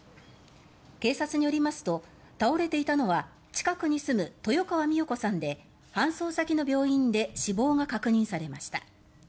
警察によりますと倒れていたのは近くに住む豊川美代子さんで搬送先の病院で死亡が確認されました。